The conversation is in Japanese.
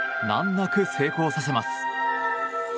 難なく成功させます。